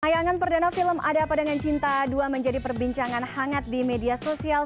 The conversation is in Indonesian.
tayangan perdana film ada apa dengan cinta dua menjadi perbincangan hangat di media sosial